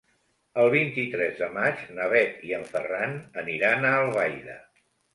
El vint-i-tres de maig na Bet i en Ferran aniran a Albaida.